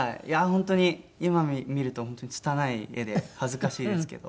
本当に今見ると本当につたない絵で恥ずかしいですけど。